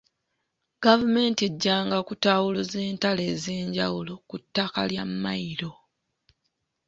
Gavumenti ejjanga kutaawuluza entalo ez’enjawulo ku ttaka lya mmayiro.